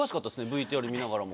ＶＴＲ見ながらも。